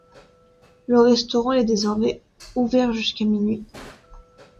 Le restaurant est désormais ouvert jusqu'à minuit.